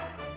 ibu gak mau